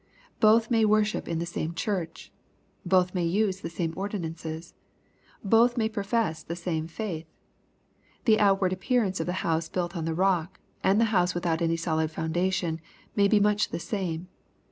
Both may worship iu the same Church. Both may use the same ordinances. Both may profess the same faith. The outward appearance of the house built on the rock, and the house without any solid foundation, may be much the same.